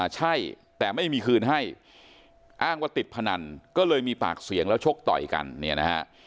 ใช่แต่ไม่มีคืนให้อ้างว่าติดพนันก็เลยมีปากเสียงแล้วชกต่อยกันเนี่ยนะฮะ